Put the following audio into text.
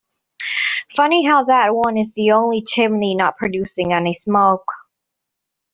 Funny how that one is the only chimney not producing any smoke.